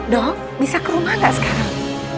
dok bisa ke rumah gak sekarang